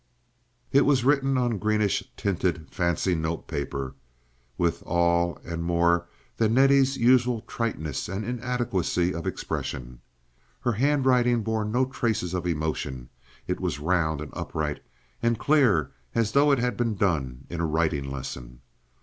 It was written on greenish tinted fancy note paper, and with all and more than Nettie's usual triteness and inadequacy of expression. Her handwriting bore no traces of emotion; it was round and upright and clear as though it had been done in a writing lesson.